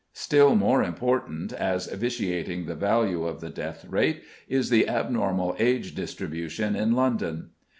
Still more important, as vitiating the value of the "death rate," is the abnormal age distribution in London.